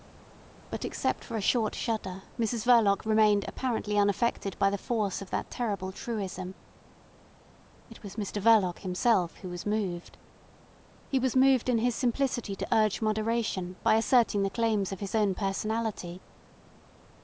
But except for a short shudder Mrs Verloc remained apparently unaffected by the force of that terrible truism. It was Mr Verloc himself who was moved. He was moved in his simplicity to urge moderation by asserting the claims of his own personality.